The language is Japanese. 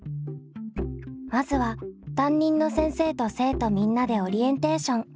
まずは担任の先生と生徒みんなでオリエンテーション。